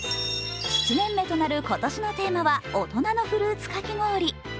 ７年目となる今年のテーマは大人のフルーツかき氷。